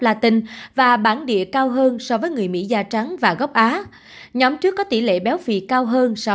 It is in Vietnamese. latin và bản địa cao hơn so với người mỹ da trắng và gốc á nhóm trước có tỷ lệ béo phì cao hơn so